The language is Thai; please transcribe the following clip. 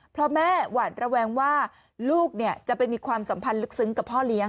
เพราะแม่หวาดระแวงว่าลูกจะไปมีความสัมพันธ์ลึกซึ้งกับพ่อเลี้ยง